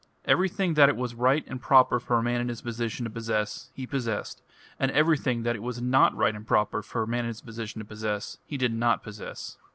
Everything that it was right and proper for a man in his position to possess, he possessed; and everything that it was not right and proper for a man in his position to possess, he did not possess.